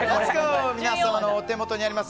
皆様のお手元にあります